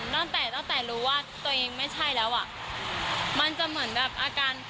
ตั้งแต่ตั้งแต่รู้ว่าตัวเองไม่ใช่แล้วอ่ะมันจะเหมือนแบบอาการ